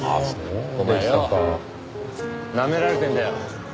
お前よなめられてんだよ。